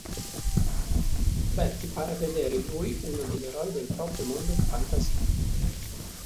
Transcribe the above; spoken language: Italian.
Betty pare vedere in lui uno degli eroi del proprio mondo di fantasia.